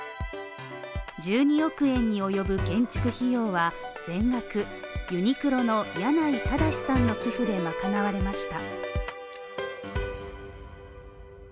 １２億円に及ぶ建築費用は、全額ユニクロの柳井正さんの寄付で賄われました。